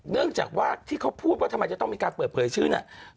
เนื่องจากว่าที่เขาพูดว่าทำไมจะต้องมีการเปิดเผยชื่อเนี่ย